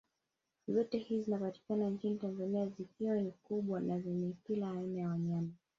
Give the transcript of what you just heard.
Zote hizi zinapatika nchini Tanzania zikiwa ni kubwa na zenye kila aina ya wanyama